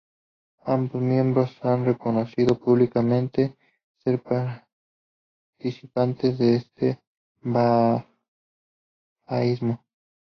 Ambos miembros han reconocido públicamente ser practicantes del bahaísmo.